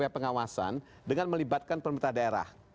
pengawasan dengan melibatkan pemerintah daerah